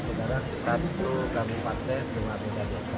sekarang satu kabupaten cuma beda desa